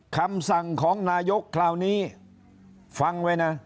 คำสั่งของนายกคราวนี้ฟังไว้นะ